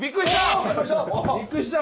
あびっくりした！